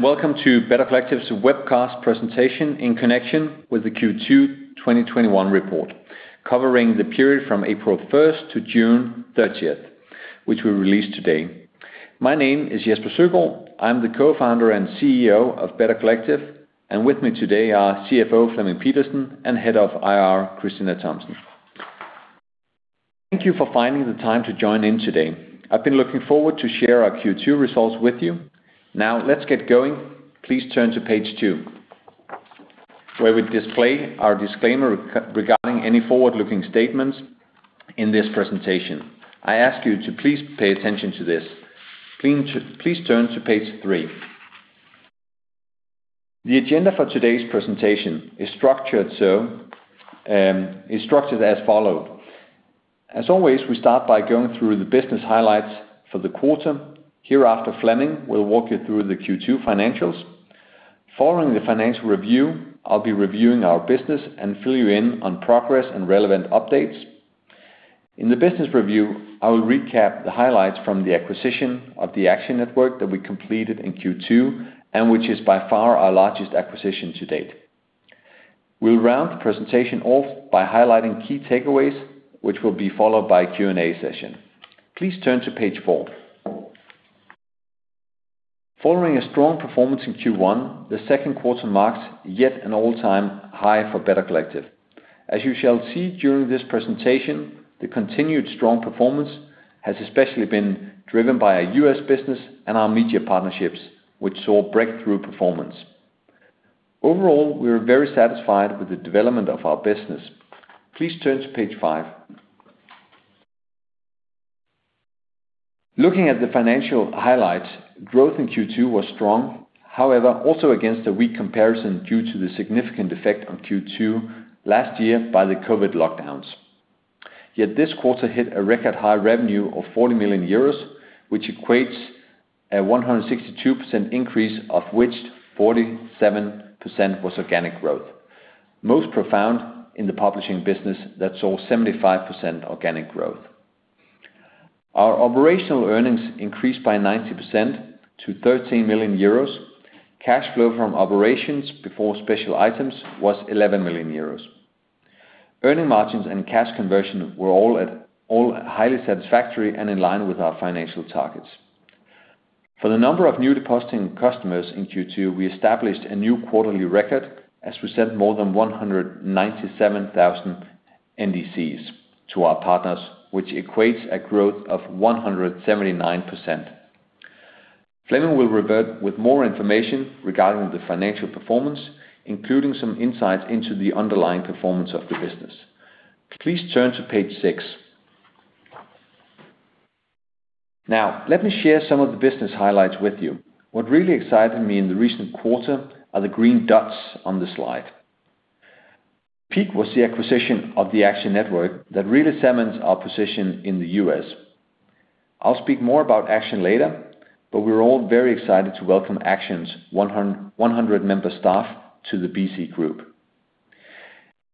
Welcome to Better Collective's Webcast Presentation in Connection with the Q2 2021 Report, Covering the Period from April 1st to June 30th, which we release today. My name is Jesper Søgaard. I'm the Co-founder and CEO of Better Collective, and with me today are CFO Flemming Pedersen and Head of IR Christina Thomsen. Thank you for finding the time to join in today. I've been looking forward to share our Q2 results with you. Now let's get going. Please turn to page two, where we display our disclaimer regarding any forward-looking statements in this presentation. I ask you to please pay attention to this. Please turn to page three. The agenda for today's presentation is structured as followed. As always, we start by going through the business highlights for the quarter. Hereafter, Flemming will walk you through the Q2 financials. Following the financial review, I'll be reviewing our business and fill you in on progress and relevant updates. In the business review, I will recap the highlights from the acquisition of the Action Network that we completed in Q2, and which is by far our largest acquisition to date. We'll round the presentation off by highlighting key takeaways, which will be followed by a Q&A session. Please turn to page four. Following a strong performance in Q1, the second quarter marks yet an all-time high for Better Collective. As you shall see during this presentation, the continued strong performance has especially been driven by our U.S. business and our media partnerships, which saw breakthrough performance. Overall, we are very satisfied with the development of our business. Please turn to page five. Looking at the financial highlights, growth in Q2 was strong. However, also against a weak comparison due to the significant effect on Q2 last year by the COVID lockdowns. Yet this quarter hit a record high revenue of 40 million euros, which equates a 162% increase, of which 47% was organic growth. Most profound in the Publishing business that saw 75% organic growth. Our operational earnings increased by 90% to 13 million euros. Cash flow from operations before special items was 11 million euros. Earning margins and cash conversion were all highly satisfactory and in line with our financial targets. For the number of new depositing customers in Q2, we established a new quarterly record as we sent more than 197,000 NDCs to our partners, which equates a growth of 179%. Flemming will revert with more information regarding the financial performance, including some insights into the underlying performance of the business. Please turn to page six. Let me share some of the business highlights with you. What really excited me in the recent quarter are the green dots on the slide. Peak was the acquisition of the Action Network that reexamines our position in the U.S. I'll speak more about Action later, but we're all very excited to welcome Action's 100-member staff to the BC Group.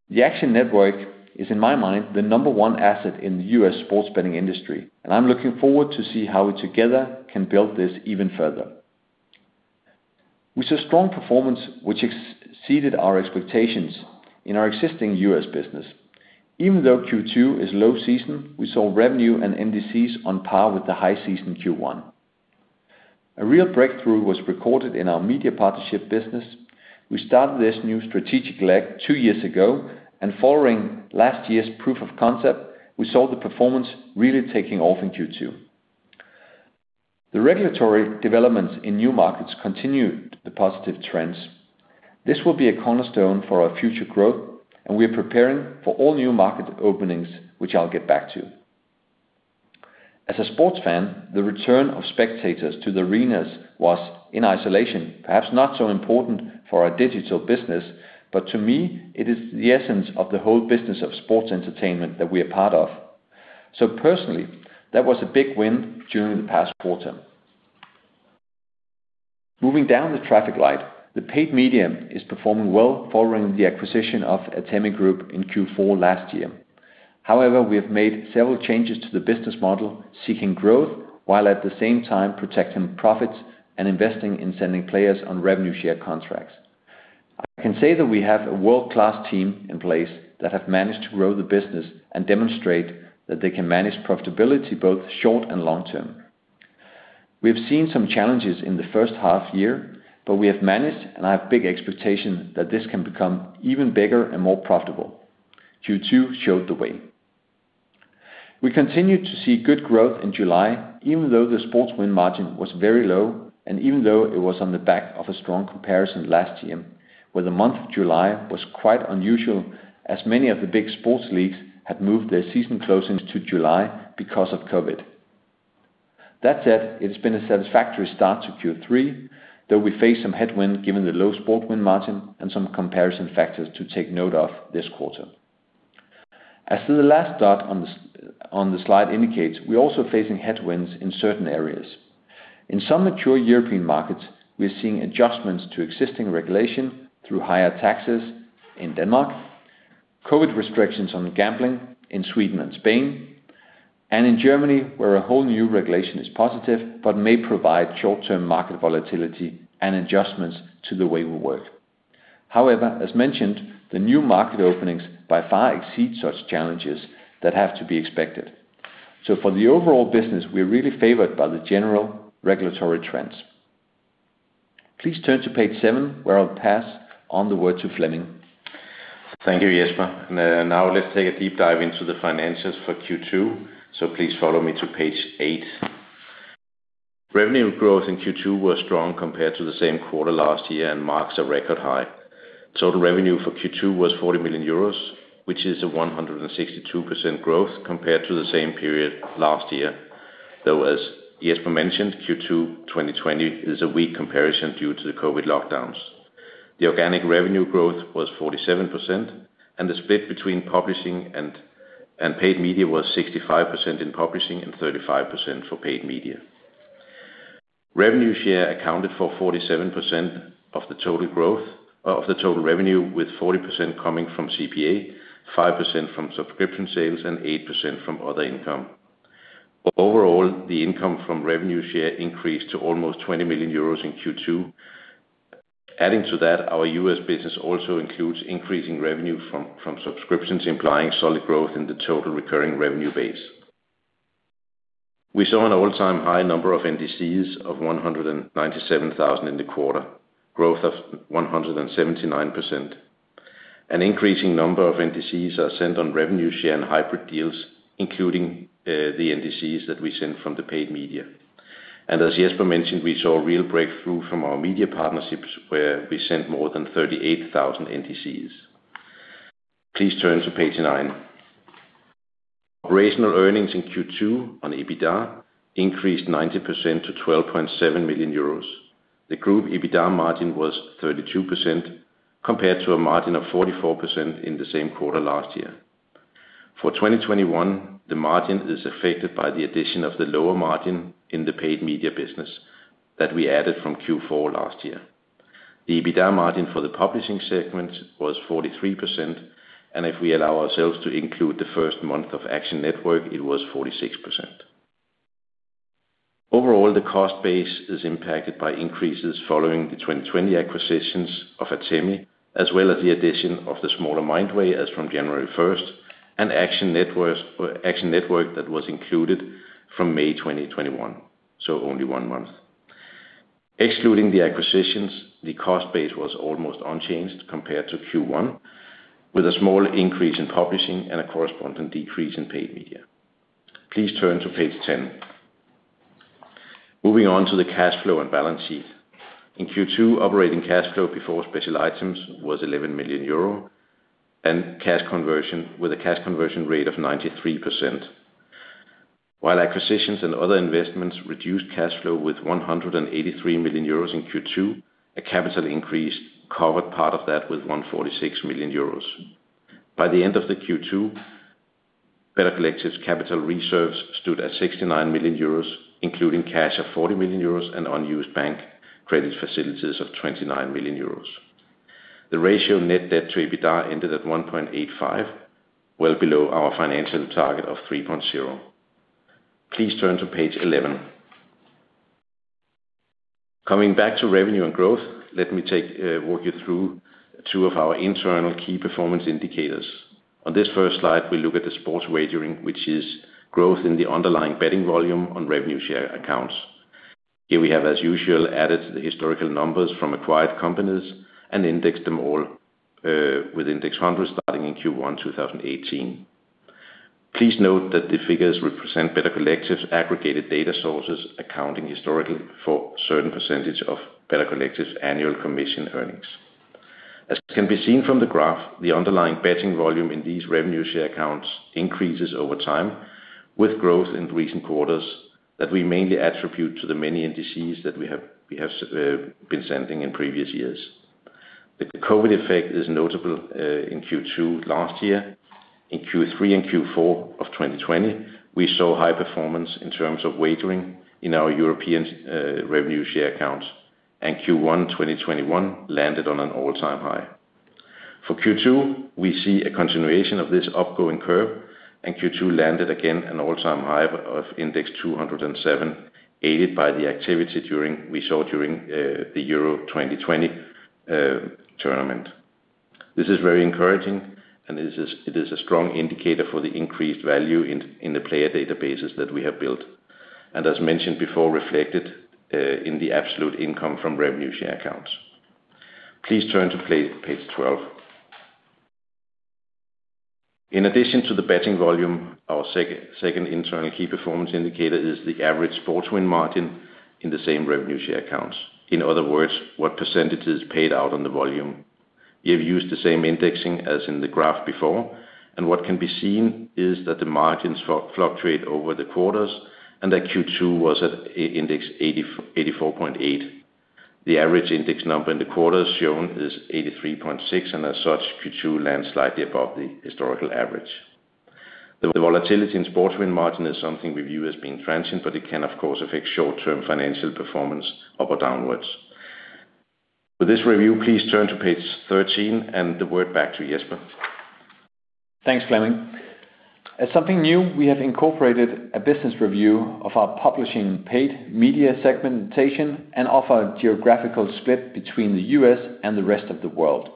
The Action Network is, in my mind, the number one asset in the U.S. sports betting industry, and I'm looking forward to see how we together can build this even further. We saw strong performance which exceeded our expectations in our existing U.S. business. Even though Q2 is low season, we saw revenue and NDCs on par with the high-season Q1. A real breakthrough was recorded in our media partnership business. We started this new strategic leg two years ago. Following last year's proof of concept, we saw the performance really taking off in Q2. The regulatory developments in new markets continued the positive trends. This will be a cornerstone for our future growth. We are preparing for all new market openings, which I'll get back to. As a sports fan, the return of spectators to the arenas was, in isolation, perhaps not so important for our digital business, but to me, it is the essence of the whole business of sports entertainment that we are part of. Personally, that was a big win during the past quarter. Moving down the traffic light, the Paid Media is performing well following the acquisition of Atemi Group in Q4 last year. However, we have made several changes to the business model, seeking growth while at the same time protecting profits and investing in sending players on revenue share contracts. I can say that we have a world-class team in place that have managed to grow the business and demonstrate that they can manage profitability both short and long-term. We have seen some challenges in the first half year, but we have managed, and I have big expectations that this can become even bigger and more profitable. Q2 showed the way. We continued to see good growth in July, even though the sports win margin was very low, and even though it was on the back of a strong comparison last year, where the month of July was quite unusual, as many of the big sports leagues had moved their season closings to July because of COVID. That said, it's been a satisfactory start to Q3, though we face some headwind given the low sports win margin and some comparison factors to take note of this quarter. As to the last dot on the slide indicates, we're also facing headwinds in certain areas. In some mature European markets, we're seeing adjustments to existing regulation through higher taxes in Denmark, COVID restrictions on gambling in Sweden and Spain. In Germany, where a whole new regulation is positive, but may provide short-term market volatility and adjustments to the way we work. However, as mentioned, the new market openings by far exceed such challenges that have to be expected. For the overall business, we are really favored by the general regulatory trends. Please turn to page seven, where I'll pass on the word to Flemming. Thank you, Jesper. Now let's take a deep dive into the financials for Q2, so please follow me to page eight. Revenue growth in Q2 was strong compared to the same quarter last year and marks a record high. Total revenue for Q2 was 40 million euros, which is a 162% growth compared to the same period last year. Though, as Jesper mentioned, Q2 2020 is a weak comparison due to the COVID lockdowns. The organic revenue growth was 47%, the split between Publishing and Paid Media was 65% in Publishing and 35% for Paid Media. Revenue share accounted for 47% of the total revenue, with 40% coming from CPA, 5% from subscription sales, and 8% from other income. Overall, the income from revenue share increased to almost 20 million euros in Q2. Adding to that, our U.S. business also includes increasing revenue from subscriptions, implying solid growth in the total recurring revenue base. We saw an all-time high number of NDCs of 197,000 in the quarter, growth of 179%. An increasing number of NDCs are sent on revenue share and hybrid deals, including the NDCs that we send from the Paid Media. As Jesper mentioned, we saw a real breakthrough from our media partnerships, where we sent more than 38,000 NDCs. Please turn to page nine. Operational earnings in Q2 on EBITDA increased 19% to 12.7 million euros. The group EBITDA margin was 32%, compared to a margin of 44% in the same quarter last year. For 2021, the margin is affected by the addition of the lower margin in the Paid Media business that we added from Q4 last year. The EBITDA margin for the Publishing segment was 43%, and if we allow ourselves to include the first month of Action Network, it was 46%. Overall, the cost base is impacted by increases following the 2020 acquisitions of Atemi, as well as the addition of the smaller Mindway AI as from January 1st, and Action Network that was included from May 2021, so only one month. Excluding the acquisitions, the cost base was almost unchanged compared to Q1, with a small increase in Publishing and a corresponding decrease in Paid Media. Please turn to page 10. Moving on to the cash flow and balance sheet. In Q2, operating cash flow before special items was 11 million euro, with a cash conversion rate of 93%. While acquisitions and other investments reduced cash flow with 183 million euros in Q2, a capital increase covered part of that with 146 million euros. By the end of the Q2, Better Collective's capital reserves stood at 69 million euros, including cash of 40 million euros and unused bank credit facilities of 29 million euros. The ratio net debt to EBITDA ended at 1.85x, well below our financial target of 3.0x. Please turn to page 11. Coming back to revenue and growth, let me walk you through two of our internal key performance indicators. On this first slide, we look at the sports wagering, which is growth in the underlying betting volume on revenue share accounts. Here we have, as usual, added the historical numbers from acquired companies and indexed them all with index 100 starting in Q1 2018. Please note that the figures represent Better Collective's aggregated data sources, accounting historically for a certain percentage of Better Collective's annual commission earnings. As can be seen from the graph, the underlying betting volume in these revenue share accounts increases over time with growth in recent quarters that we mainly attribute to the many NDCs that we have been sending in previous years. The COVID effect is notable in Q2 last year. In Q3 and Q4 of 2020, we saw high performance in terms of wagering in our European revenue share accounts, Q1 2021 landed on an all-time high. For Q2, we see a continuation of this upgoing curve, Q2 landed again an all-time high of index 207, aided by the activity we saw during the Euro 2020 tournament. This is very encouraging. It is a strong indicator for the increased value in the player databases that we have built. As mentioned before, reflected in the absolute income from revenue share accounts. Please turn to page 12. In addition to the betting volume, our second internal Key Performance Indicator is the average sports win margin in the same revenue share accounts. In other words, what percentage is paid out on the volume. We have used the same indexing as in the graph before, and what can be seen is that the margins fluctuate over the quarters, and that Q2 was at index 84.8. The average index number in the quarter shown is 83.6, and as such, Q2 lands slightly above the historical average. The volatility in sports win margin is something we view as being transient, but it can of course affect short-term financial performance up or downwards. For this review, please turn to page 13, and the word back to Jesper. Thanks, Flemming. As something new, we have incorporated a business review of our Publishing Paid Media segmentation and offer a geographical split between the U.S. and the rest of the world.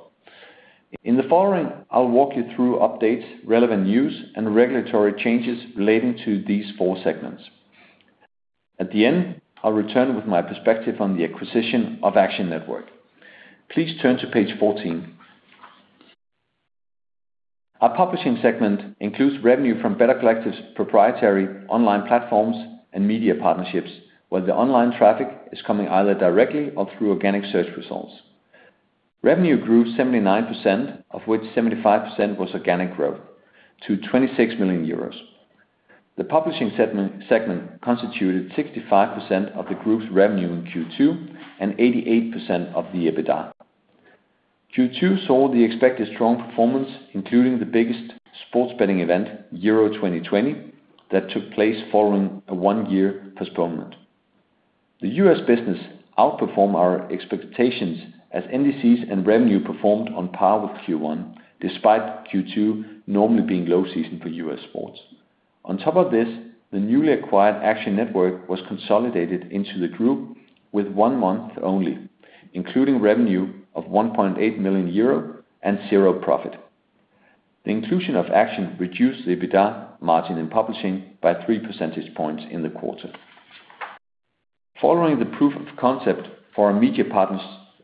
In the following, I'll walk you through updates, relevant news, and regulatory changes relating to these four segments. At the end, I'll return with my perspective on the acquisition of Action Network. Please turn to page 14. Our Publishing segment includes revenue from Better Collective's proprietary online platforms and media partnerships, where the online traffic is coming either directly or through organic search results. Revenue grew 79%, of which 75% was organic growth to 26 million euros. The Publishing segment constituted 65% of the group's revenue in Q2 and 88% of the EBITDA. Q2 saw the expected strong performance, including the biggest sports betting event, Euro 2020, that took place following a one-year postponement. The U.S. business outperformed our expectations as NDCs and revenue performed on par with Q1 despite Q2 normally being low season for U.S. sports. On top of this, the newly acquired Action Network was consolidated into the group with one month only, including revenue of 1.8 million euro and zero profit. The inclusion of Action reduced the EBITDA margin in Publishing by 3 percentage points in the quarter. Following the proof of concept for our media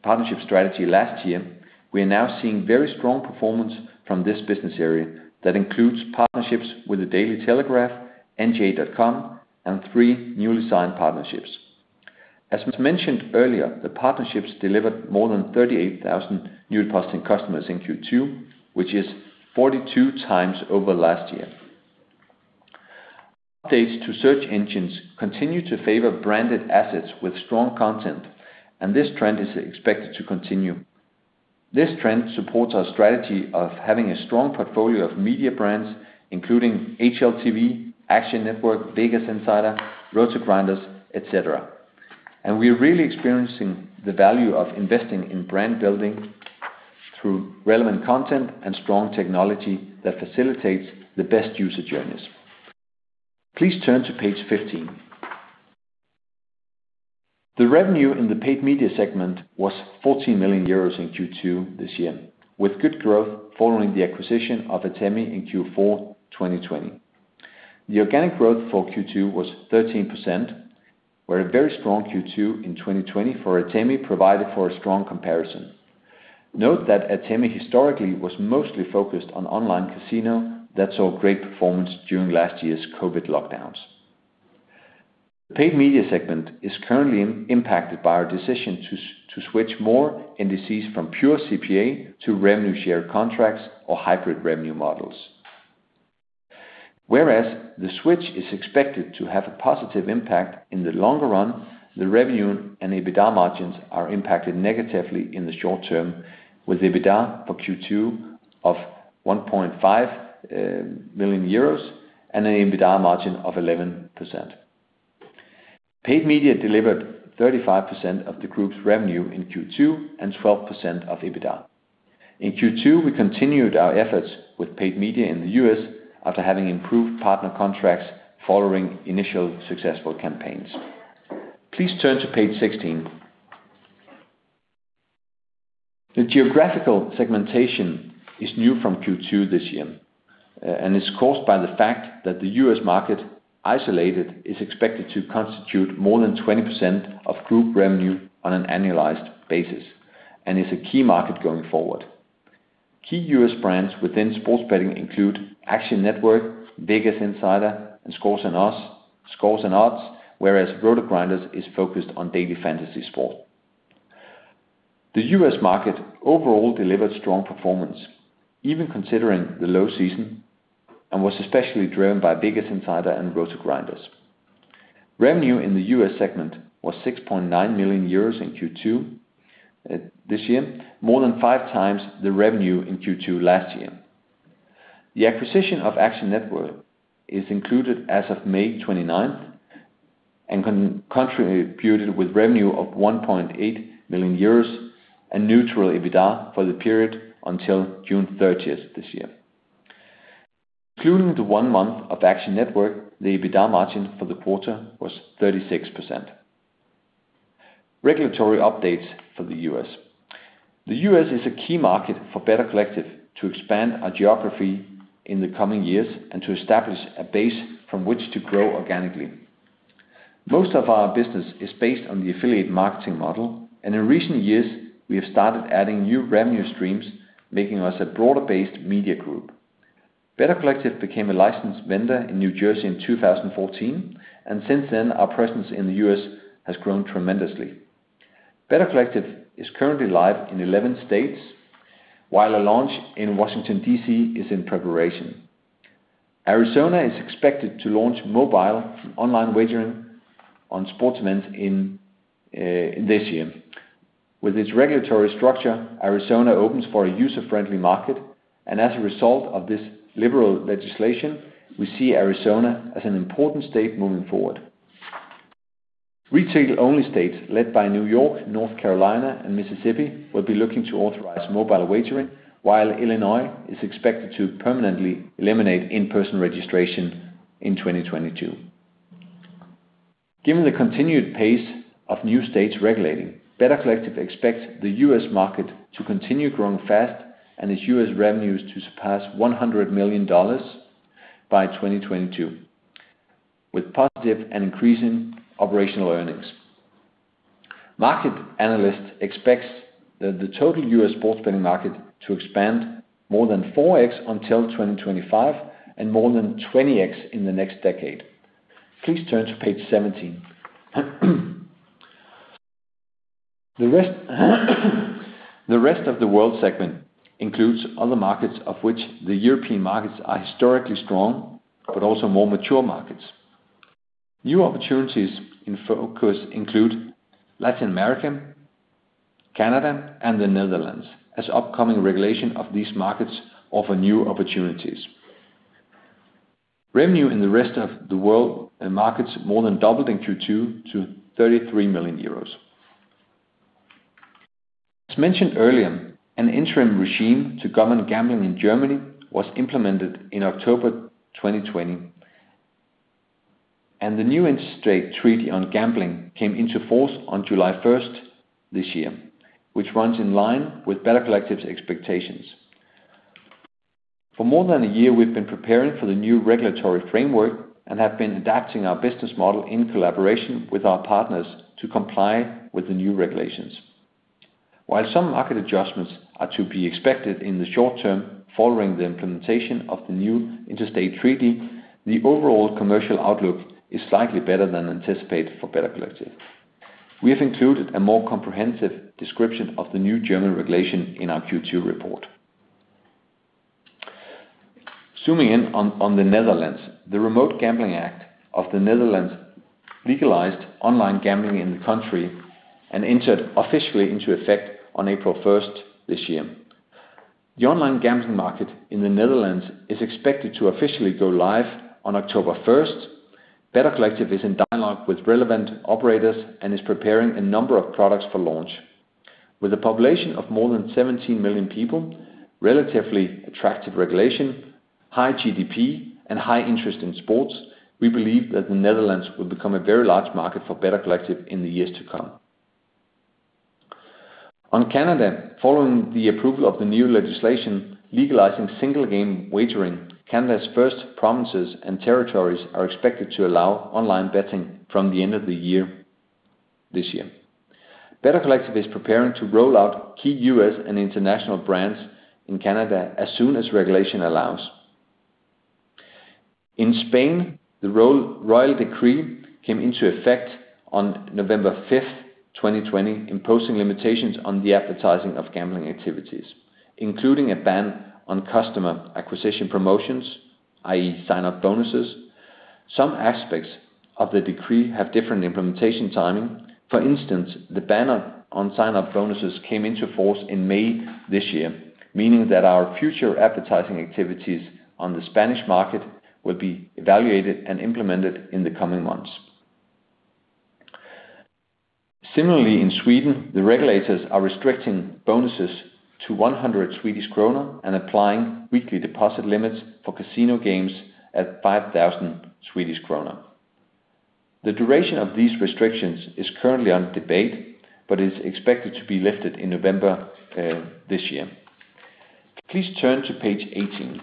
partnership strategy last year, we are now seeing very strong performance from this business area that includes partnerships with The Daily Telegraph, NJ.com, and three newly signed partnerships. As was mentioned earlier, the partnerships delivered more than 38,000 new depositing customers in Q2, which is 42 times over last year. Updates to search engines continue to favor branded assets with strong content, and this trend is expected to continue. This trend supports our strategy of having a strong portfolio of media brands, including HLTV, Action Network, VegasInsider, RotoGrinders, et cetera. We are really experiencing the value of investing in brand building through relevant content and strong technology that facilitates the best user journeys. Please turn to page 15. The revenue in the Paid Media segment was 14 million euros in Q2 this year, with good growth following the acquisition of Atemi in Q4 2020. The organic growth for Q2 was 13%, where a very strong Q2 in 2020 for Atemi provided for a strong comparison. Note that Atemi historically was mostly focused on online casino that saw great performance during last year's COVID lockdowns. The Paid Media segment is currently impacted by our decision to switch more NDCs from pure CPA to revenue-shared contracts or hybrid revenue models. Whereas the switch is expected to have a positive impact in the longer run, the revenue and EBITDA margins are impacted negatively in the short-term, with EBITDA for Q2 of 1.5 million euros and an EBITDA margin of 11%. Paid Media delivered 35% of the group's revenue in Q2 and 12% of EBITDA. In Q2, we continued our efforts with Paid Media in the U.S. after having improved partner contracts following initial successful campaigns. Please turn to page 16. The geographical segmentation is new from Q2 this year, and it's caused by the fact that the US market isolated is expected to constitute more than 20% of group revenue on an annualized basis and is a key market going forward. Key U.S. brands within sports betting include Action Network, VegasInsider, and ScoresAndOdds, whereas RotoGrinders is focused on daily fantasy sports. The US market overall delivered strong performance, even considering the low season, and was especially driven by VegasInsider and RotoGrinders. Revenue in the U.S. segment was 6.9 million euros in Q2 this year, more than five times the revenue in Q2 last year. The acquisition of Action Network is included as of May 29th and contributed with revenue of 1.8 million euros and neutral EBITDA for the period until June 30th this year. Including the one month of Action Network, the EBITDA margin for the quarter was 36%. Regulatory updates for the U.S. The U.S. is a key market for Better Collective to expand our geography in the coming years and to establish a base from which to grow organically. Most of our business is based on the affiliate marketing model, and in recent years, we have started adding new revenue streams, making us a broader-based media group. Better Collective became a licensed vendor in New Jersey in 2014, and since then, our presence in the U.S. has grown tremendously. Better Collective is currently live in 11 states, while a launch in Washington, D.C., is in preparation. Arizona is expected to launch mobile online wagering on sports events in this year. With its regulatory structure, Arizona opens for a user-friendly market. As a result of this liberal legislation, we see Arizona as an important state moving forward. Retail-only states led by New York, North Carolina, and Mississippi will be looking to authorize mobile wagering, while Illinois is expected to permanently eliminate in-person registration in 2022. Given the continued pace of new states regulating, Better Collective expects the US market to continue growing fast and its U.S. revenues to surpass $100 million by 2022, with positive and increasing operational earnings. Market analysts expect the total U.S. sports betting market to expand more than 4x until 2025 and more than 20x in the next decade. Please turn to page 17. The rest of the world segment includes other markets, of which the European markets are historically strong but also more mature markets. New opportunities in focus include Latin America, Canada, and the Netherlands, as upcoming regulation of these markets offer new opportunities. Revenue in the rest-of-the-world markets more than doubled in Q2 to 33 million euros. As mentioned earlier, an interim regime to govern gambling in Germany was implemented in October 2020, and the new Interstate Treaty on Gambling came into force on July 1st this year, which runs in line with Better Collective's expectations. For more than a year, we've been preparing for the new regulatory framework and have been adapting our business model in collaboration with our partners to comply with the new regulations. While some market adjustments are to be expected in the short term following the implementation of the new Interstate Treaty, the overall commercial outlook is slightly better than anticipated for Better Collective. We have included a more comprehensive description of the new German regulation in our Q2 report. Zooming in on the Netherlands, the Remote Gambling Act of the Netherlands legalized online gambling in the country and entered officially into effect on April 1st this year. The online gambling market in the Netherlands is expected to officially go live on October 1st. Better Collective is in dialogue with relevant operators and is preparing a number of products for launch. With a population of more than 17 million people, relatively attractive regulation, high GDP, and high interest in sports, we believe that the Netherlands will become a very large market for Better Collective in the years to come. On Canada, following the approval of the new legislation legalizing single-game wagering, Canada's first provinces and territories are expected to allow online betting from the end of the year this year. Better Collective is preparing to roll out key U.S. and international brands in Canada as soon as regulation allows. In Spain, the Royal Decree came into effect on November 5th, 2020, imposing limitations on the advertising of gambling activities, including a ban on customer acquisition promotions, i.e. sign-up bonuses. Some aspects of the decree have different implementation timing. For instance, the banner on sign-up bonuses came into force in May this year, meaning that our future advertising activities on the Spanish market will be evaluated and implemented in the coming months. Similarly, in Sweden, the regulators are restricting bonuses to 100 Swedish kronor and applying weekly deposit limits for casino games at 5,000 Swedish kronor. The duration of these restrictions is currently under debate, but is expected to be lifted in November this year. Please turn to page 18.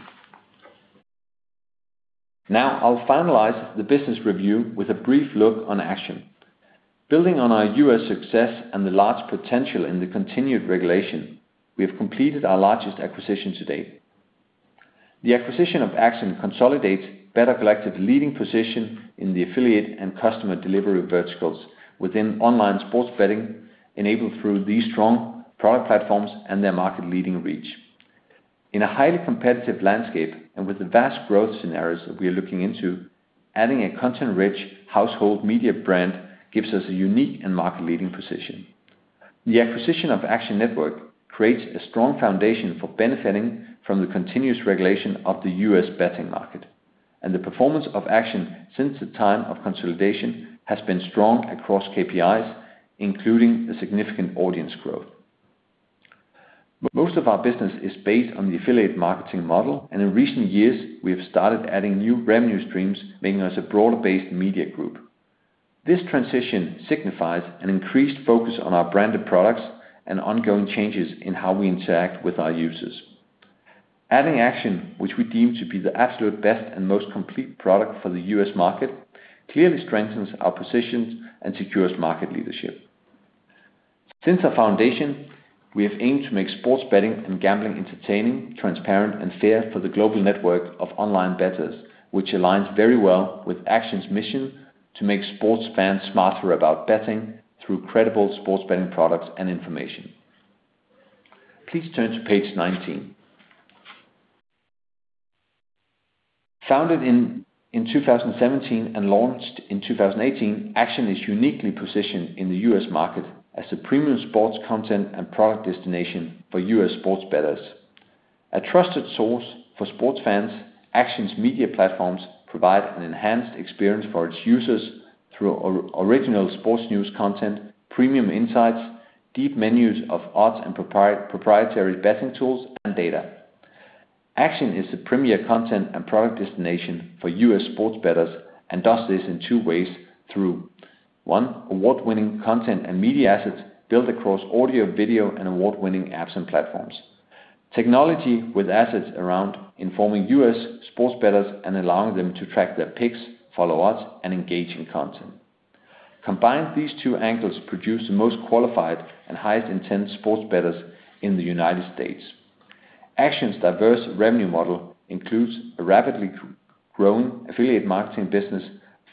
Now, I'll finalize the business review with a brief look on Action. Building on our U.S. success and the large potential in the continued regulation, we have completed our largest acquisition to date. The acquisition of Action consolidates Better Collective's leading position in the affiliate and customer delivery verticals within online sports betting, enabled through these strong product platforms and their market-leading reach. In a highly competitive landscape, and with the vast growth scenarios that we are looking into, adding a content-rich household media brand gives us a unique and market-leading position. The acquisition of Action Network creates a strong foundation for benefiting from the continuous regulation of the U.S. Betting market, and the performance of Action since the time of consolidation has been strong across KPIs, including the significant audience growth. Most of our business is based on the affiliate marketing model, and in recent years, we have started adding new revenue streams, making us a broader-based media group. This transition signifies an increased focus on our branded products and ongoing changes in how we interact with our users. Adding Action, which we deem to be the absolute best and most complete product for the US market, clearly strengthens our positions and secures market leadership. Since our foundation, we have aimed to make sports betting and gambling entertaining, transparent, and fair for the global network of online bettors, which aligns very well with Action's mission to make sports fans smarter about betting through credible sports betting products and information. Please turn to page 19. Founded in 2017 and launched in 2018, Action is uniquely positioned in the US market as a premium sports content and product destination for U.S. sports bettors. A trusted source for sports fans, Action's media platforms provide an enhanced experience for its users through original sports news content, premium insights, deep menus of odds, and proprietary betting tools and data. Action is the premier content and product destination for U.S. sports bettors and does this in two ways, through, one, award-winning content and media assets built across audio, video, and award-winning apps and platforms. Technology with assets around informing U.S. sports bettors and allowing them to track their picks, follow odds, and engage in content. Combined, these two angles produce the most qualified and highest intent sports bettors in the United States. Action's diverse revenue model includes a rapidly growing affiliate marketing business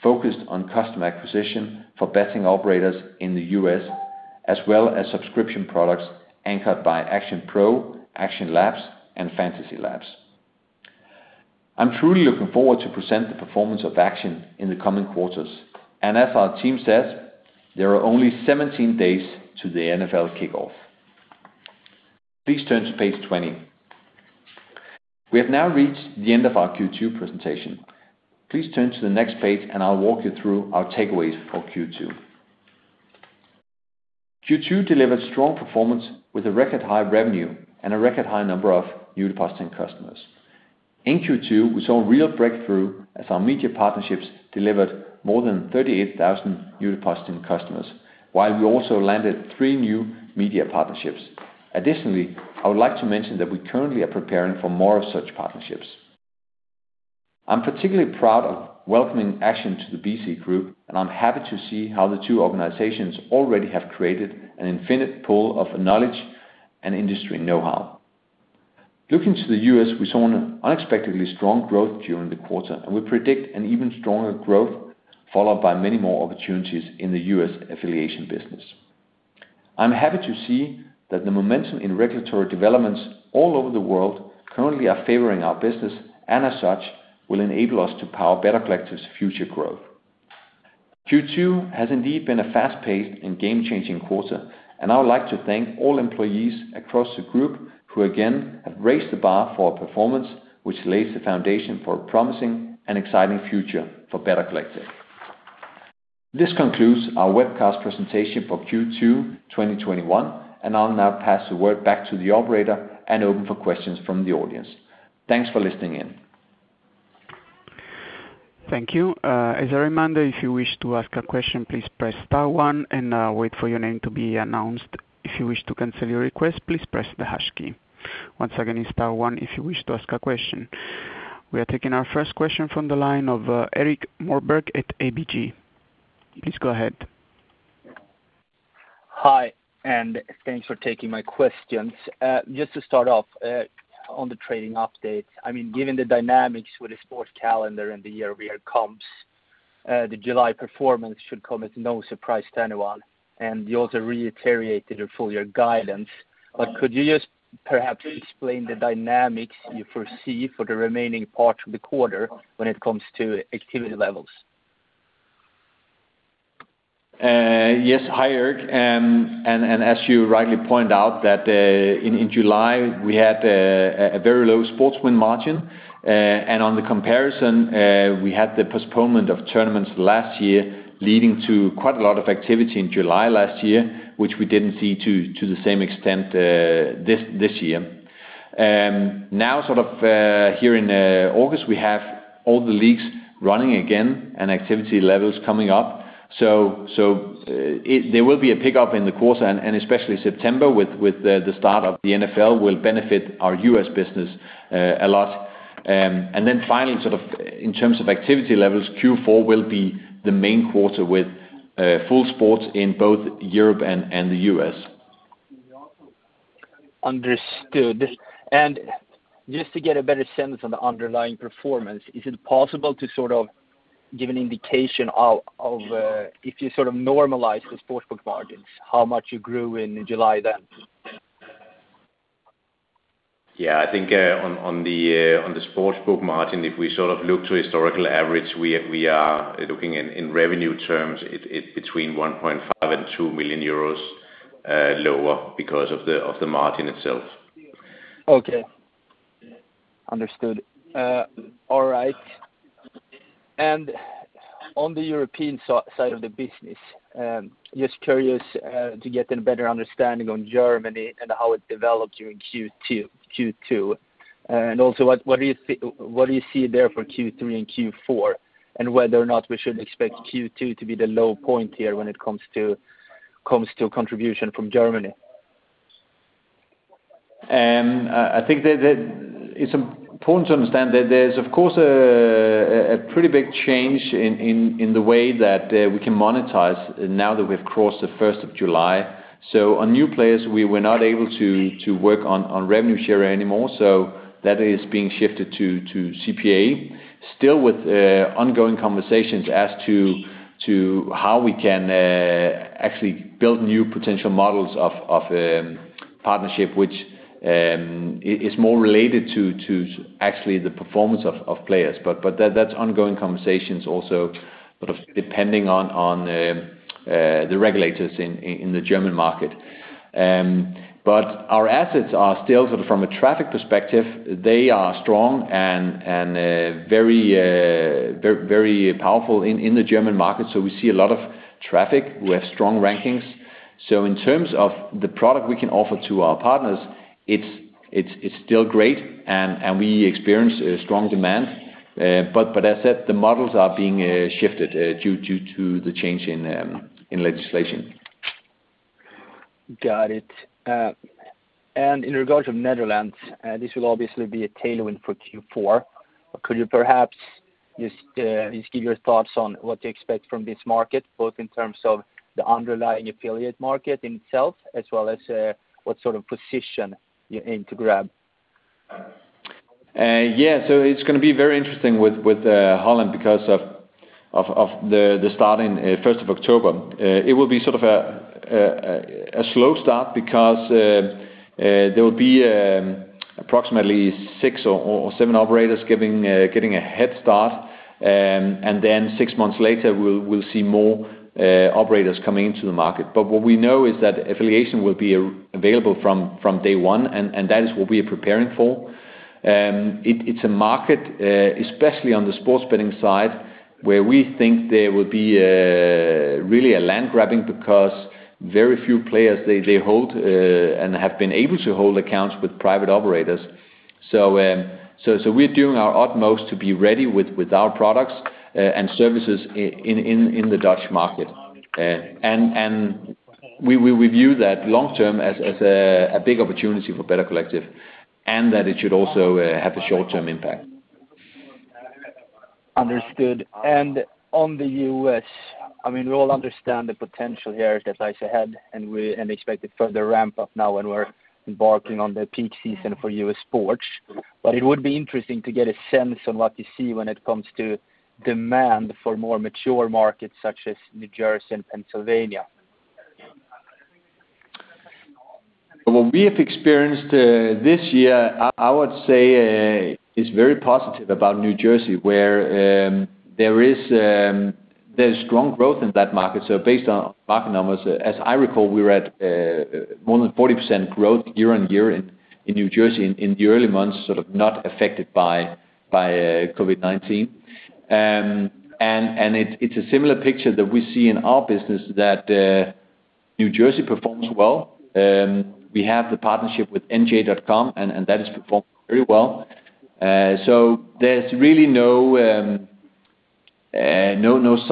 focused on customer acquisition for betting operators in the U.S., as well as subscription products anchored by Action PRO, Action Labs, and FantasyLabs. I'm truly looking forward to present the performance of Action in the coming quarters. As our team says, there are only 17 days to the NFL kickoff. Please turn to page 20. We have now reached the end of our Q2 presentation. Please turn to the next page and I'll walk you through our takeaways for Q2. Q2 delivered strong performance with a record-high revenue and a record-high number of new depositing customers. In Q2, we saw a real breakthrough as our media partnerships delivered more than 38,000 new depositing customers, while we also landed three new media partnerships. Additionally, I would like to mention that we currently are preparing for more of such partnerships. I'm particularly proud of welcoming Action to the BC Group, and I'm happy to see how the two organizations already have created an infinite pool of knowledge and industry know-how. Looking to the U.S., we saw an unexpectedly strong growth during the quarter, and we predict an even stronger growth, followed by many more opportunities in the U.S. affiliation business. I'm happy to see that the momentum in regulatory developments all over the world currently are favoring our business, and as such, will enable us to power Better Collective's future growth. Q2 has indeed been a fast-paced and game-changing quarter, and I would like to thank all employees across the group who again have raised the bar for our performance, which lays the foundation for a promising and exciting future for Better Collective. This concludes our webcast presentation for Q2 2021, and I'll now pass the word back to the operator and open for questions from the audience. Thanks for listening in. Thank you. As a reminder, if you wish to ask a question, please press star one and wait for your name to be announced. If you wish to cancel your request, please press the hash key. Once again, it is star one if you wish to ask a question. We are taking our first question from the line of Erik Moberg at ABG. Please go ahead. Hi, and thanks for taking my questions. Just to start off, on the trading update. Given the dynamics with the sports calendar and the year we had comps, the July performance should come as no surprise to anyone, and you also reiterated your full-year guidance. Could you just perhaps explain the dynamics you foresee for the remaining part of the quarter when it comes to activity levels? Yes. Hi, Erik. As you rightly point out that in July we had a very low sports win margin. On the comparison, we had the postponement of tournaments last year, leading to quite a lot of activity in July last year, which we didn't see to the same extent this year. Sort of here in August, we have all the leagues running again and activity levels coming up. There will be a pickup in the quarter and especially September with the start of the NFL will benefit our U.S. business a lot. Finally, in terms of activity levels, Q4 will be the main quarter with full sports in both Europe and the U.S. Understood. Just to get a better sense on the underlying performance, is it possible to give an indication of if you sort of normalize the sportsbook margins, how much you grew in July then? Yeah, I think on the sportsbook margin, if we look to historical average, we are looking in revenue terms between 1.5 million and 2 million euros lower because of the margin itself. Okay. Understood. All right. On the European side of the business, just curious to get a better understanding on Germany and how it developed during Q2. Also what do you see there for Q3 and Q4? Whether or not we should expect Q2 to be the low point here when it comes to contribution from Germany. I think that it's important to understand that there's, of course, a pretty big change in the way that we can monetize now that we've crossed the 1st of July. On new players, we were not able to work on revenue share anymore. That is being shifted to CPA. Still with ongoing conversations as to how we can actually build new potential models of partnership, which is more related to actually the performance of players. That's ongoing conversations also depending on the regulators in the German market. Our assets are still from a traffic perspective, they are strong and very powerful in the German market. We see a lot of traffic who have strong rankings. In terms of the product we can offer to our partners, it's still great and we experience strong demand. As I said, the models are being shifted due to the change in legislation. Got it. In regards of Netherlands, this will obviously be a tailwind for Q4, could you perhaps just give your thoughts on what to expect from this market, both in terms of the underlying affiliate market in itself as well as what sort of position you aim to grab? Yeah. It's going to be very interesting with Holland because of the starting 1st of October. It will be sort of a slow start because there will be approximately six or seven operators getting a head start and then six months later, we'll see more operators coming into the market. What we know is that affiliation will be available from day one, and that is what we are preparing for. It's a market, especially on the sports betting side, where we think there will be really a land grabbing because very few players they hold and have been able to hold accounts with private operators. We're doing our utmost to be ready with our products and services in the Dutch market. We view that long-term as a big opportunity for Better Collective and that it should also have a short-term impact. Understood. On the U.S., we all understand the potential here that lies ahead, and we expect a further ramp up now when we're embarking on the peak season for U.S. sports. It would be interesting to get a sense on what you see when it comes to demand for more mature markets such as New Jersey and Pennsylvania. What we have experienced this year, I would say, is very positive about New Jersey, where there's strong growth in that market. Based on market numbers, as I recall, we were at more than 40% growth year-on-year in New Jersey in the early months, sort of not affected by COVID-19. It's a similar picture that we see in our business that New Jersey performs well. We have the partnership with NJ.com, and that is performing very well. There's really no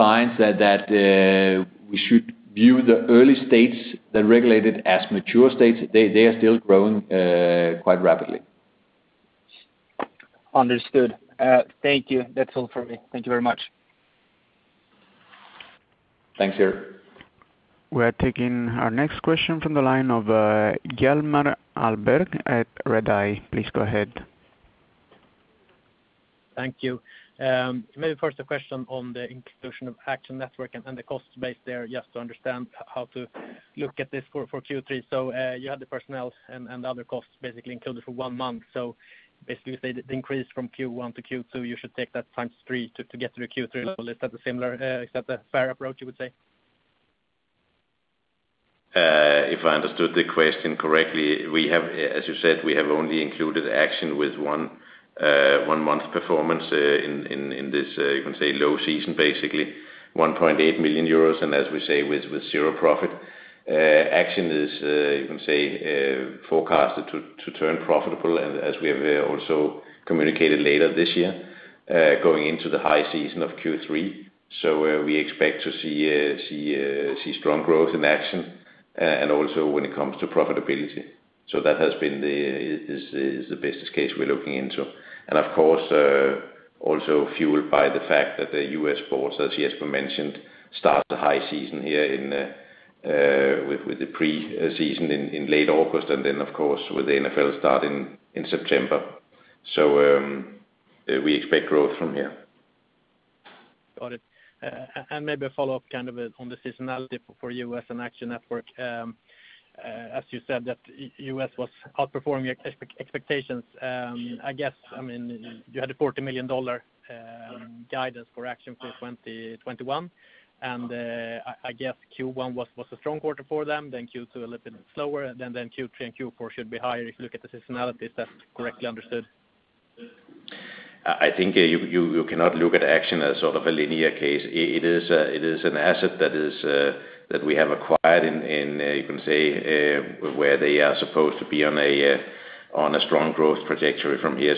signs that we should view the early states that regulated as mature states. They are still growing quite rapidly. Understood. Thank you. That's all for me. Thank you very much. Thanks, Erik. We are taking our next question from the line of Hjalmar Ahlberg at Redeye. Please go ahead. Thank you. Maybe first a question on the inclusion of Action Network and the cost base there, just to understand how to look at this for Q3. You had the personnel and the other costs basically included for one month. Basically, if they increased from Q1 to Q2, you should take that times three to get to the Q3 level. Is that a fair approach, you would say? If I understood the question correctly, as you said, we have only included Action with one month performance in this, you can say, low season, basically 1.8 million euros, and as we say, with zero profit. Action is forecasted to turn profitable, and as we have also communicated later this year going into the high season of Q3. We expect to see strong growth in Action, and also when it comes to profitability. Of course, also fueled by the fact that the U.S. sports, as Jesper mentioned, starts the high season here with the preseason in late August, and then, of course, with the NFL starting in September. We expect growth from here. Got it. Maybe a follow-up kind of on the seasonality for U.S. and Action Network. As you said that U.S. was outperforming expectations. I guess you had a EUR 40 million guidance for Action for 2021, and I guess Q1 was a strong quarter for them, then Q2 a little bit slower, and then Q3 and Q4 should be higher if you look at the seasonality. Is that correctly understood? I think you cannot look at Action as sort of a linear case. It is an asset that we have acquired in, you can say, where they are supposed to be on a strong growth trajectory from here.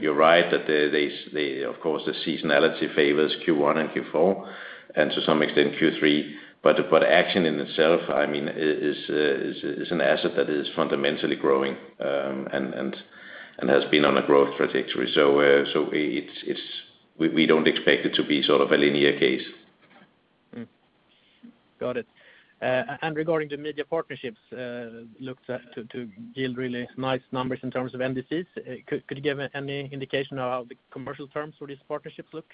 You're right that of course the seasonality favors Q1 and Q4 and to some extent Q3, but Action in itself is an asset that is fundamentally growing and has been on a growth trajectory. We don't expect it to be sort of a linear case. Got it. Regarding the media partnerships, looks to yield really nice numbers in terms of NDCs. Could you give any indication of how the commercial terms for these partnerships look?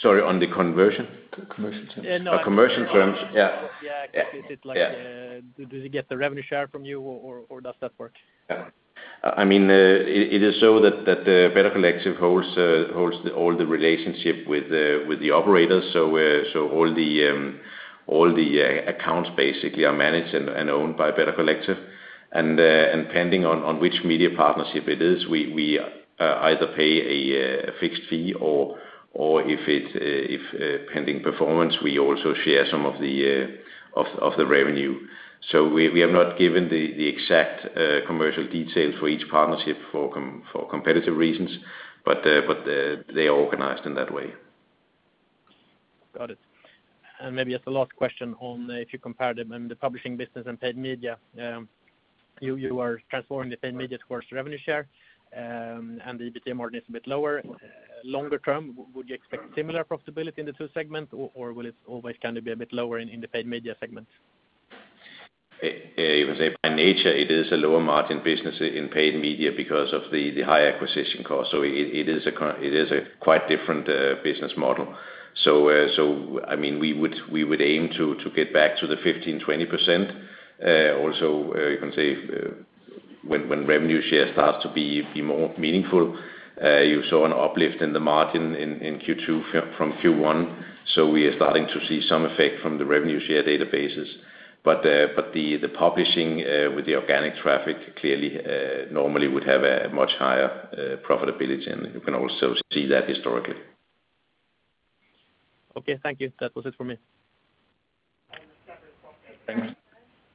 Sorry, on the conversion? Conversion terms. Oh, conversion terms. Yeah. Yeah. Do they get the revenue share from you, or does that work? It is so that Better Collective holds all the relationship with the operators. All the accounts basically are managed and owned by Better Collective. Depending on which media partnership it is, we either pay a fixed fee or if pending performance, we also share some of the revenue. We have not given the exact commercial details for each partnership for competitive reasons, but they are organized in that way. Got it. Maybe just a last question on if you compare them, the Publishing business and Paid Media. You are transforming the Paid Media towards revenue share, and the EBITDA margin is a bit lower. Longer term, would you expect similar profitability in the two segments, or will it always kind of be a bit lower in the Paid Media segment? You can say by nature it is a lower margin business in Paid Media because of the high acquisition cost. It is a quite different business model. We would aim to get back to the 15%-20%. You can say when revenue share starts to be more meaningful, you saw an uplift in the margin in Q2 from Q1. We are starting to see some effect from the revenue share databases. The Publishing with the organic traffic clearly normally would have a much higher profitability, and you can also see that historically. Okay, thank you. That was it for me. Thanks.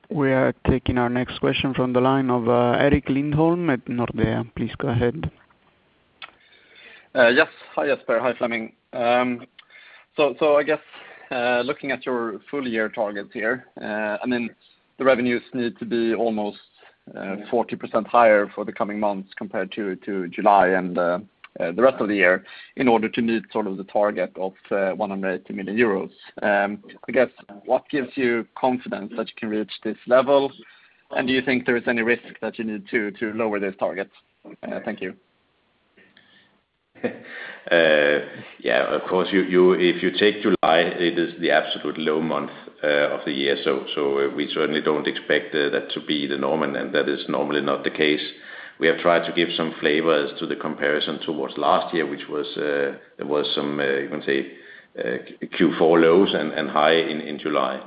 We are taking our next question from the line of Erik Lindholm-Röjestål at Nordea. Please go ahead. Yes. Hi, Jesper. Hi, Flemming. I guess, looking at your full year targets here, the revenues need to be almost 40% higher for the coming months compared to July and the rest of the year in order to meet sort of the target of 180 million euros. I guess, what gives you confidence that you can reach this level, and do you think there is any risk that you need to lower this target? Thank you. Yeah, of course, if you take July, it is the absolute low month of the year. We certainly don't expect that to be the norm, and that is normally not the case. We have tried to give some flavor as to the comparison towards last year, which there was some, you can say, Q4 lows and high in July.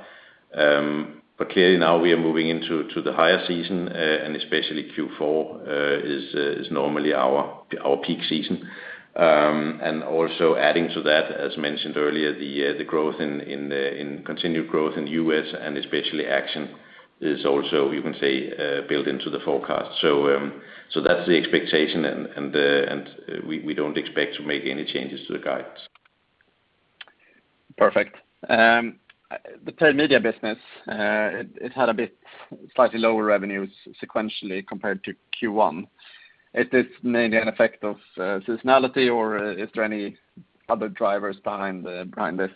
Clearly now we are moving into the higher season, and especially Q4 is normally our peak season. Also adding to that, as mentioned earlier, the continued growth in U.S. and especially Action is also, you can say, built into the forecast. That's the expectation, and we don't expect to make any changes to the guides. Perfect. The Paid Media business, it had a bit slightly lower revenues sequentially compared to Q1. Is this mainly an effect of seasonality, or are there any other drivers behind this?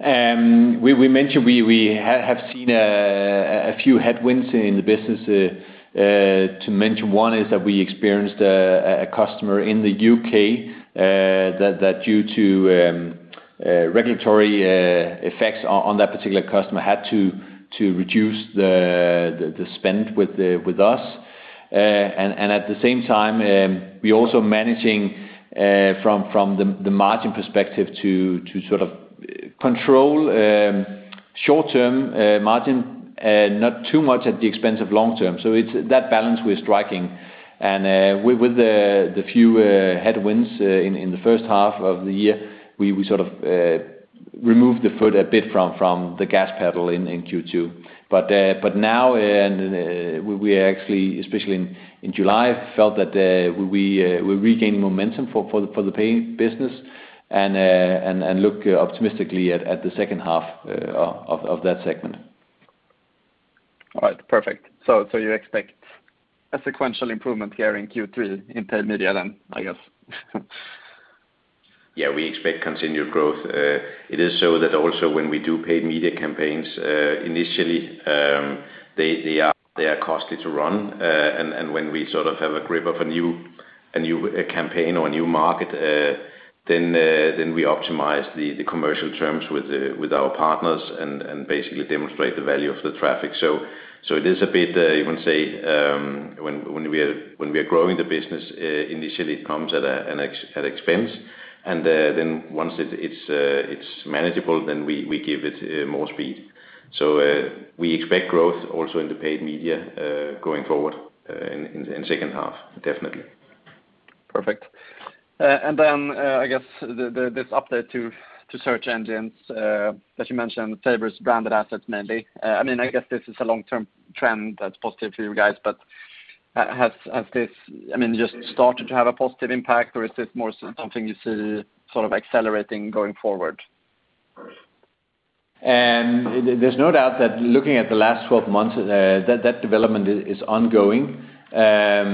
We mentioned we have seen a few headwinds in the business. To mention one is that we experienced a customer in the U.K. that due to regulatory effects on that particular customer, had to reduce the spend with us. At the same time, we're also managing from the margin perspective to sort of control short-term margin, not too much at the expense of long term. It's that balance we're striking. With the few headwinds in the first half of the year, we sort of removed the foot a bit from the gas pedal in Q2. Now, we actually, especially in July, felt that we regained momentum for the paid business and look optimistically at the second half of that segment. All right, perfect. You expect a sequential improvement here in Q3 in Paid Media then, I guess? We expect continued growth. It is so that also when we do Paid Media campaigns, initially, they are costly to run. When we sort of have a grip of a new campaign or a new market, then we optimize the commercial terms with our partners and basically demonstrate the value of the traffic. It is a bit, you can say, when we are growing the business, initially it comes at an expense. Once it's manageable, then we give it more speed. We expect growth also in the Paid Media going forward in the second half, definitely. Perfect. I guess this update to search engines that you mentioned favors branded assets mainly. I guess this is a long-term trend that's positive for you guys, but has this just started to have a positive impact, or is this more something you see sort of accelerating going forward? There's no doubt that looking at the last 12 months, that development is ongoing. As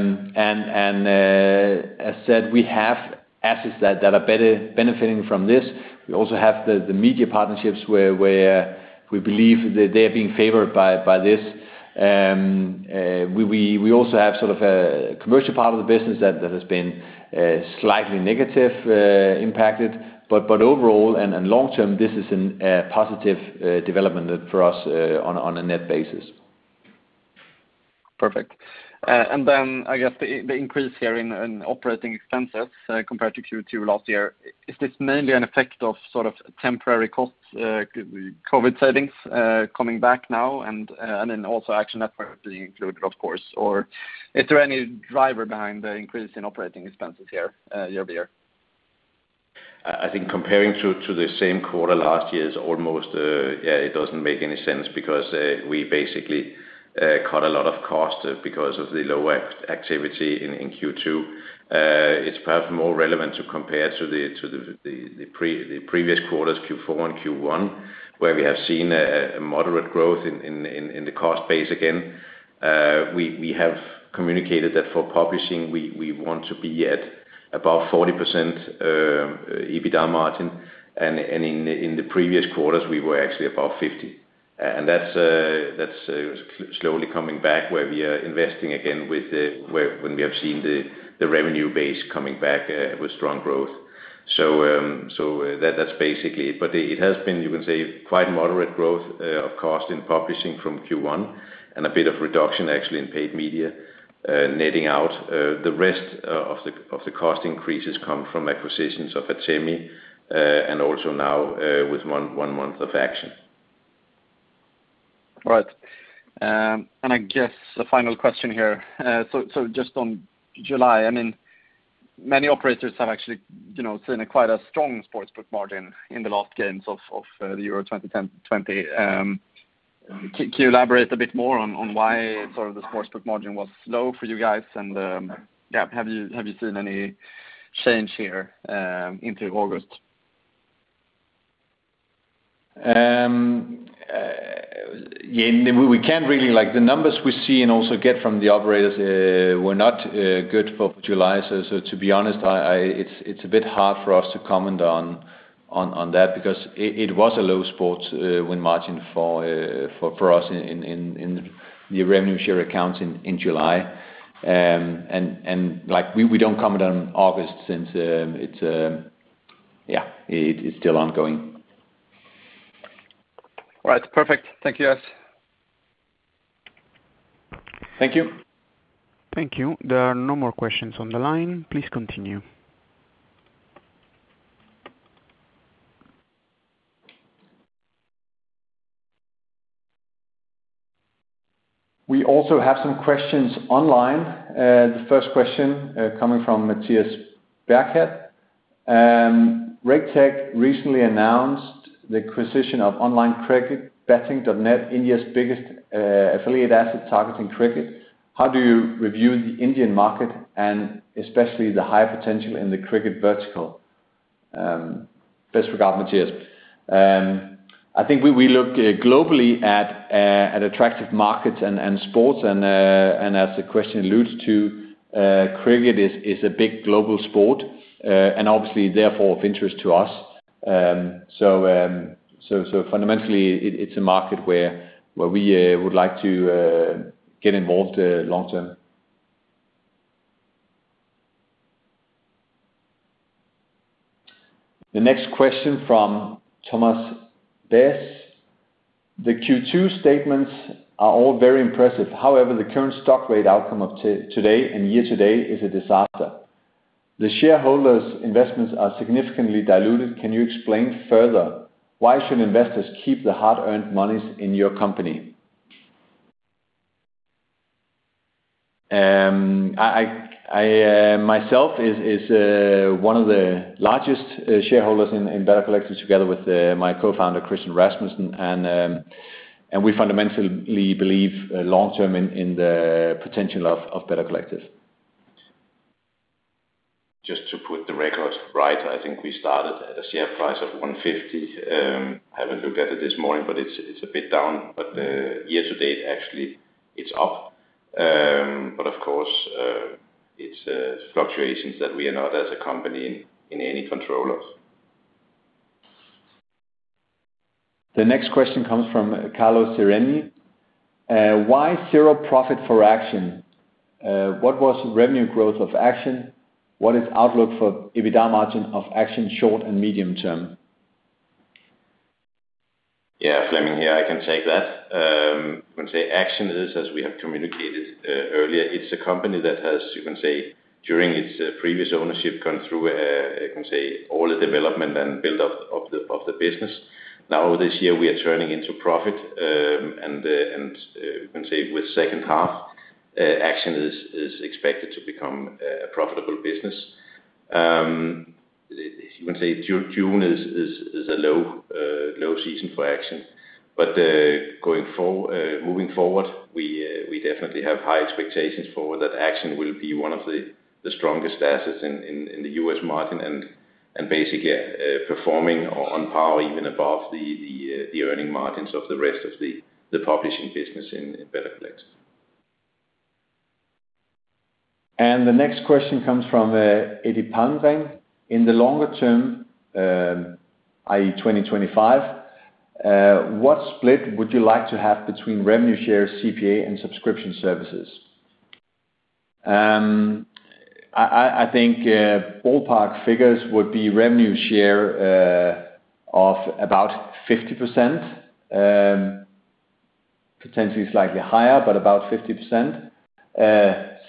I said, we have assets that are benefiting from this. We also have the media partnerships where we believe they are being favored by this. We also have sort of a commercial part of the business that has been slightly negative impacted. Overall and long term, this is a positive development for us on a net basis. Perfect. I guess the increase here in operating expenses compared to Q2 last year, is this mainly an effect of sort of temporary costs, COVID savings coming back now, and then also Action Network being included, of course? Or is there any driver behind the increase in operating expenses here year-over-year? I think comparing to the same quarter last year is almost, yeah, it doesn't make any sense because we basically cut a lot of cost because of the low activity in Q2. It's perhaps more relevant to compare to the previous quarters, Q4 and Q1, where we have seen a moderate growth in the cost base again. We have communicated that for Publishing, we want to be at above 40% EBITDA margin, and in the previous quarters we were actually above 50%. That's slowly coming back where we are investing again when we have seen the revenue base coming back with strong growth. That's basically it. It has been, you can say, quite moderate growth of cost in Publishing from Q1 and a bit of reduction actually in Paid Media. Netting out the rest of the cost increases come from acquisitions of Atemi, and also now, with one month of Action. Right. I guess the final question here. Just on July, many operators have actually seen quite a strong sportsbook margin in the last games of Euro 2020. Can you elaborate a bit more on why sort of the sportsbook margin was low for you guys and, yeah, have you seen any change here into August? Yeah. The numbers we see and also get from the operators were not good for July. To be honest, it's a bit hard for us to comment on that because it was a low sports win margin for us in the revenue share accounts in July. We don't comment on August since, yeah, it's still ongoing. Right. Perfect. Thank you, guys. Thank you. Thank you. There are no more questions on the line. Please continue. We also have some questions online. The first question coming from Matthias Berkat. Raketech recently announced the acquisition of OnlineCricketBetting.net, India's biggest affiliate asset targeting cricket. How do you review the Indian market and especially the high potential in the cricket vertical? Best regards, Matthias. I think we look globally at attractive markets and sports, and as the question alludes to, cricket is a big global sport, and obviously therefore of interest to us. Fundamentally, it's a market where we would like to get involved long term. The next question from Thomas Bess. The Q2 statements are all very impressive. However, the current stock rate outcome of today and year to date is a disaster. The shareholders' investments are significantly diluted. Can you explain further why should investors keep the hard-earned monies in your company? I, myself is one of the largest shareholders in Better Collective together with my co-founder, Christian Kirk Rasmussen, and we fundamentally believe long-term in the potential of Better Collective. Just to put the record right, I think we started at a share price of 150. I haven't looked at it this morning, but it's a bit down, but year to date, actually it's up. Of course, it's fluctuations that we are not as a company in any control of. The next question comes from Carlos Sereni. Why zero profit for Action? What was revenue growth of Action? What is outlook for EBITDA margin of Action short and medium term? Yeah. Flemming here I can take that.I would say Action is, as we have communicated earlier, it's a company that has, you can say, during its previous ownership gone through, you can say, all the development and build-up of the business. This year we are turning into profit, and you can say with second half, Action is expected to become a profitable business. You can say June is a low season for Action. Moving forward, we definitely have high expectations for that Action will be one of the strongest assets in the US market and basically performing on par or even above the earning margins of the rest of the Publishing business in Better Collective. The next question comes from Eddie Palmgren. In the longer term, i.e., 2025, what split would you like to have between revenue shares, CPA, and subscription services? I think ballpark figures would be revenue share of about 50%, potentially slightly higher, but about 50%.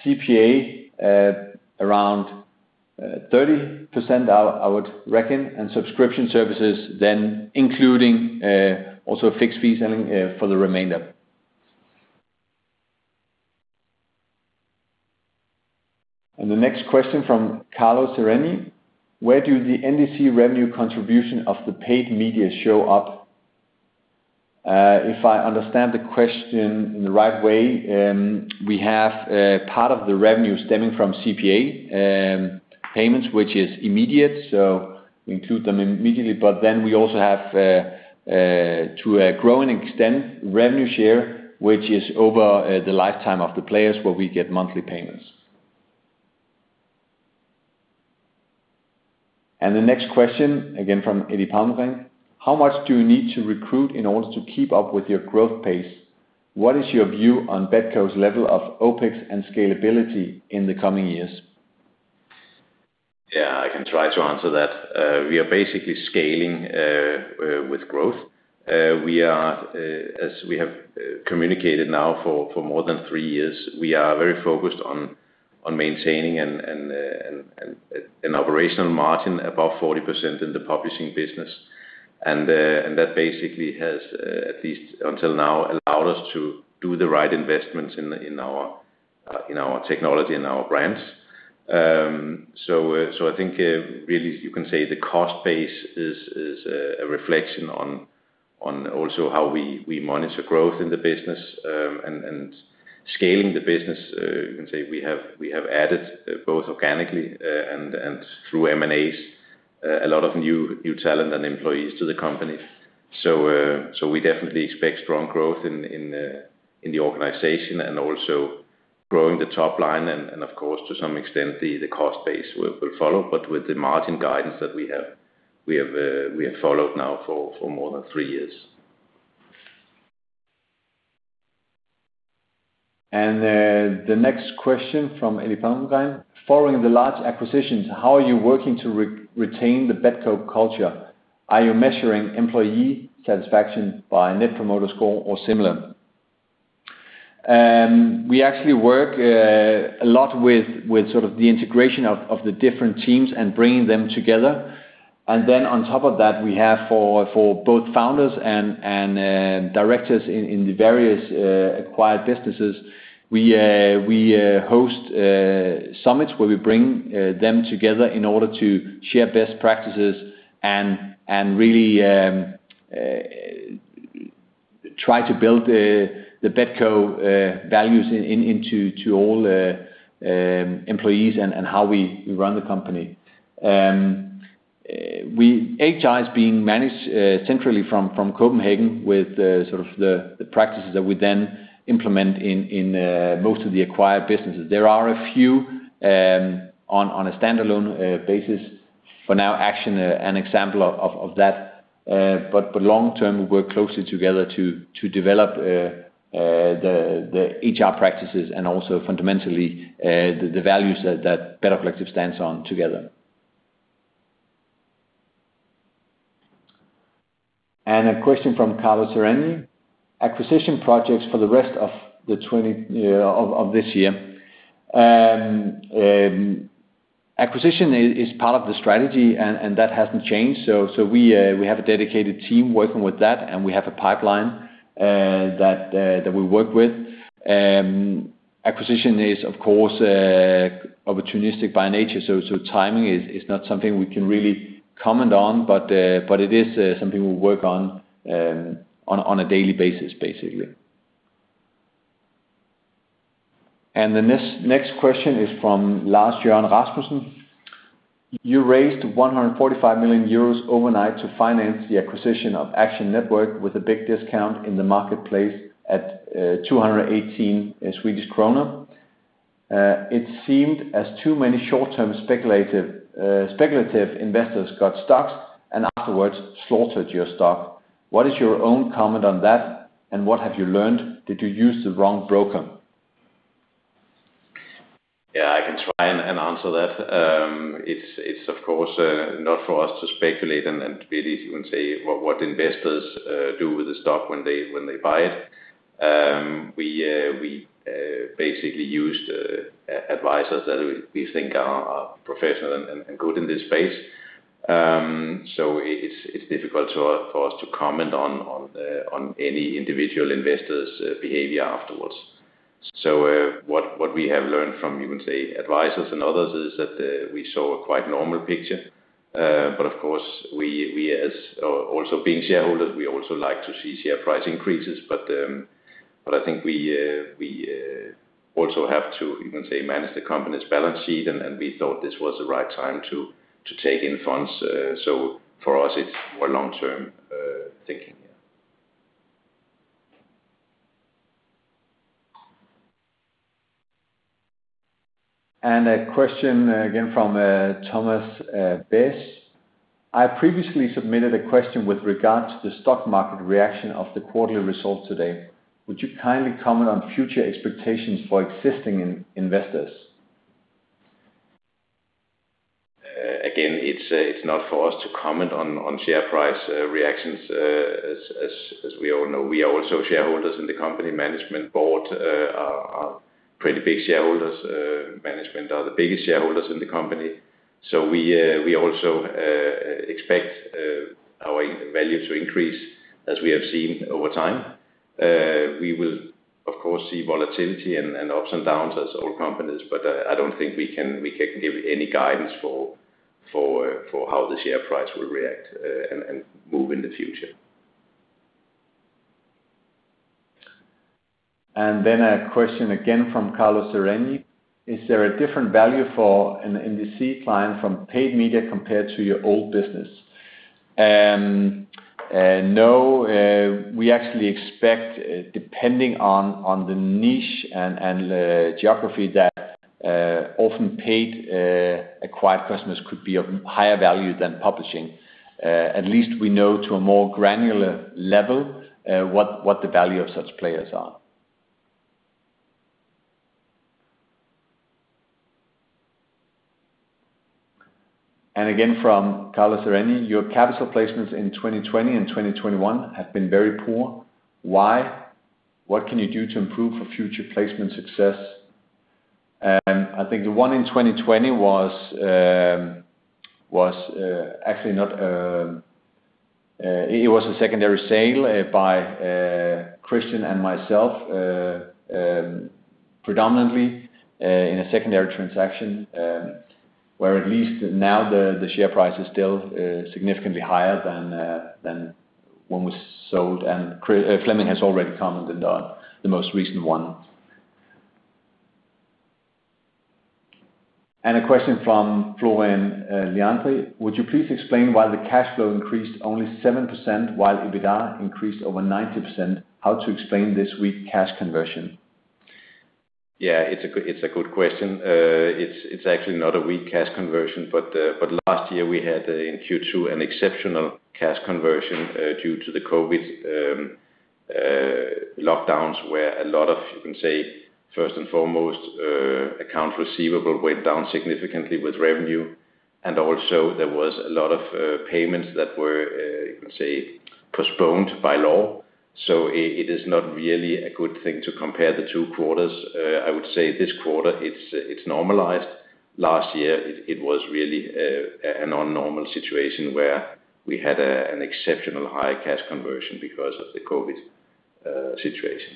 CPA around 30%, I would reckon, and subscription services then including also fixed fee selling for the remainder. The next question from Carlos Sereni, where do the NDC revenue contribution of the Paid Media show up? If I understand the question in the right way, we have part of the revenue stemming from CPA payments, which is immediate, so we include them immediately. We also have to a growing extent, revenue share, which is over the lifetime of the players, where we get monthly payments. The next question, again from Eddie Palmgren. How much do you need to recruit in order to keep up with your growth pace? What is your view on Betco's level of OPEX and scalability in the coming years? Yeah, I can try to answer that. We are basically scaling with growth. As we have communicated now for more than three years, we are very focused on maintaining an operational margin above 40% in the Publishing business. That basically has, at least until now, allowed us to do the right investments in our technology and our brands. I think really you can say the cost base is a reflection on also how we monitor growth in the business and scaling the business. You can say we have added both organically and through M&As, a lot of new talent and employees to the company. We definitely expect strong growth in the organization and also growing the top line and of course, to some extent, the cost base will follow, but with the margin guidance that we have followed now for more than three years. The next question from Eddie Palmgren. Following the large acquisitions, how are you working to retain the Betco culture? Are you measuring employee satisfaction by net promoter score or similar? We actually work a lot with sort of the integration of the different teams and bringing them together. Then on top of that, we have for both founders and directors in the various acquired businesses, we host summits where we bring them together in order to share best practices and really try to build the Betco values into all employees and how we run the company. HR is being managed centrally from Copenhagen with sort of the practices that we then implement in most of the acquired businesses. There are a few on a standalone basis for now, Action an example of that. Long-term, we work closely together to develop the HR practices and also fundamentally the values that Better Collective stands on together. A question from Carlos Sereni. Acquisition projects for the rest of this year. Acquisition is part of the strategy, and that hasn't changed. We have a dedicated team working with that, and we have a pipeline that we work with. Acquisition is, of course, opportunistic by nature, so timing is not something we can really comment on, but it is something we work on a daily basis, basically. The next question is from Lars Jørgen Rasmussen. You raised 145 million euros overnight to finance the acquisition of Action Network with a big discount in the marketplace at 218 Swedish kronor. It seemed as too many short-term speculative investors got stuck and afterwards slaughtered your stock. What is your own comment on that, and what have you learned? Did you use the wrong broker? Yeah, I can try and answer that. It's of course not for us to speculate and really even say what investors do with the stock when they buy it. We basically used advisors that we think are professional and good in this space. It's difficult for us to comment on any individual investor's behavior afterwards. What we have learned from even the advisors and others is that we saw a quite normal picture. Of course, we as also being shareholders, we also like to see share price increases. I think we also have to even say manage the company's balance sheet, and we thought this was the right time to take in funds. For us, it's more long-term thinking, yeah. A question again from Thomas Bess I previously submitted a question with regard to the stock market reaction of the quarterly results today. Would you kindly comment on future expectations for existing investors? It's not for us to comment on share price reactions. As we all know, we are also shareholders in the company management board, are pretty big shareholders. Management are the biggest shareholders in the company. We also expect our value to increase, as we have seen over time. We will, of course, see volatility and ups and downs as all companies, but I don't think we can give any guidance for how the share price will react and move in the future. Then a question again from Carlos Sereni. Is there a different value for an NDC client from Paid Media compared to your old business? No. We actually expect, depending on the niche and the geography, that often paid acquired customers could be of higher value than Publishing. At least we know to a more granular level what the value of such players are. Again, from Carlos Sereni, your capital placements in 2020 and 2021 have been very poor. Why? What can you do to improve for future placement success? I think the one in 2020 was actually a secondary sale by Christian and myself predominantly, in a secondary transaction, where at least now the share price is still significantly higher than when was sold. Flemming has already commented on the most recent one. A question from Florian Linarte. Would you please explain why the cash flow increased only 7% while EBITDA increased over 90%? How to explain this weak cash conversion? Yeah, it's a good question. It's actually not a weak cash conversion, but last year we had in Q2 an exceptional cash conversion due to the COVID lockdowns where a lot of, you can say, first and foremost, accounts receivable went down significantly with revenue. Also there was a lot of payments that were, you can say, postponed by law. It is not really a good thing to compare the two quarters. I would say this quarter it's normalized. Last year it was really a non-normal situation where we had an exceptional high cash conversion because of the COVID situation.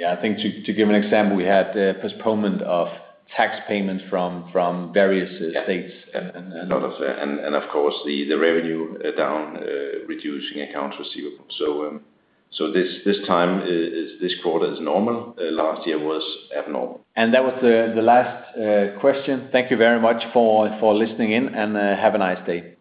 I think to give an example, we had postponement of tax payments from various states. Of course, the revenue down, reducing accounts receivable. This time, this quarter is normal. Last year was abnormal. That was the last question. Thank you very much for listening in, and have a nice day.